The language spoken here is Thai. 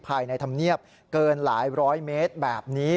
ภายในธรรมเนียบเกินหลายร้อยเมตรแบบนี้